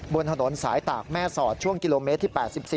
บนถนนสายตากแม่สอดช่วงกิโลเมตรที่๘๔